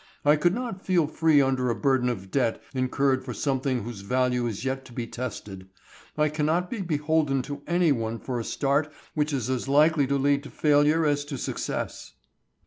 I could not feel free under a burden of debt incurred for something whose value is yet to be tested. I cannot be beholden to any one for a start which is as likely to lead to failure as to success."